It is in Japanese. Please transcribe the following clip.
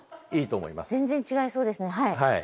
全然違いそうですねはい。